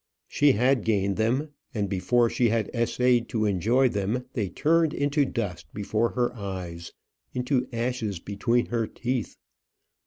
She had gained them; and before she had essayed to enjoy them, they turned into dust before her eyes, into ashes between her teeth.